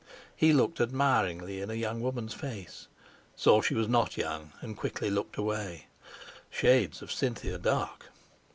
He looked admiringly in a young woman's face, saw she was not young, and quickly looked away. Shades of Cynthia Dark!